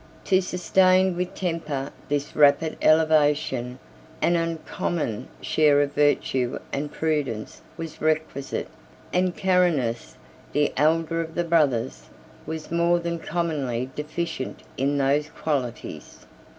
To sustain with temper this rapid elevation, an uncommon share of virtue and prudence was requisite; and Carinus, the elder of the brothers, was more than commonly deficient in those qualities.